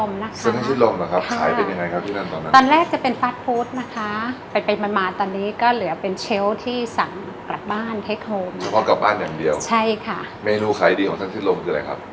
เมนูขายดีของท่านทิศลมคืออะไรครับ